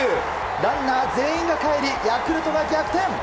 ランナー全員がかえりヤクルトが逆転。